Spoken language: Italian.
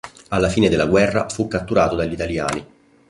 Alla fine della guerra fu catturato dagli italiani.